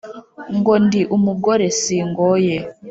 ngo ndi umugore singoye